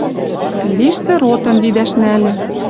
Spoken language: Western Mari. Пел иштӹ ротым видӓш нӓльӹ.